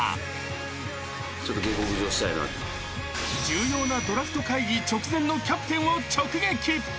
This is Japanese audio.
［重要なドラフト会議直前のキャプテンを直撃］